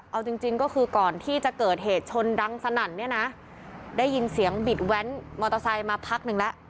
เอาจริงจริงก็คือก่อนที่จะเกิดเหตุชนดังสนั่นเนี่ยนะได้ยินเสียงบิดแว้นมอเตอร์ไซค์มาพักหนึ่งแล้ว